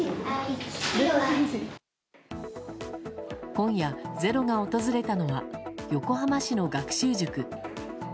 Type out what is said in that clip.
今夜、「ｚｅｒｏ」が訪れたのは横浜市の学習塾。